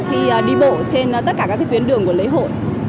khi đi bộ trên tất cả các tuyến đường của lễ hội